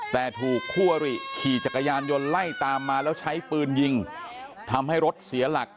แต่ถูกคู่อริขี่จักรยานยนต์ไล่ตามมาแล้วใช้ปืนยิงทำให้รถเสียหลัก